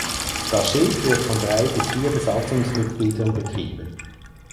Das Schiff wird von drei bis vier Besatzungsmitgliedern betrieben.